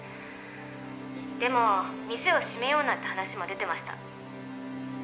「でも店を閉めようなんて話も出てました」